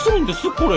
これ。